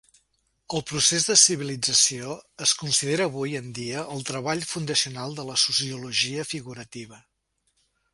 "El procés de civilització" es considera avui en dia el treball fundacional de la Sociologia figurativa.